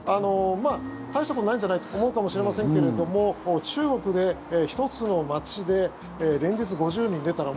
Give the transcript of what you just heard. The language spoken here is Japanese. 大したことないんじゃないと思うかもしれませんけれども中国で１つの街で連日５０人出たら